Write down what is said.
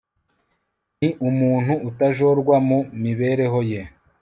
ni umuntu utajorwa mu mibereho ye